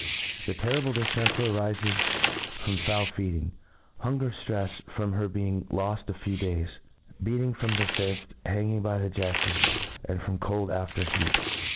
This terrible diftemper arifes firom foul feedr ing^ hunger ftrefs from her being loft a few days, beating from the fift, hanging by the jefTes, and from cold after heat.